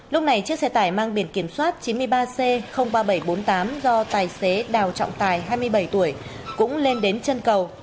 lúc này chiếc xe tải mang biển kiểm soát chín mươi ba c ba nghìn bảy trăm bốn mươi tám do tài xế đào trọng tài hai mươi bảy tuổi cũng lên đến chân cầu